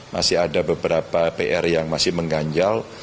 masih ada beberapa pr yang masih mengganjal